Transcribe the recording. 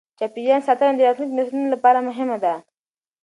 چاپیریال ساتنه د راتلونکې نسلونو لپاره مهمه ده.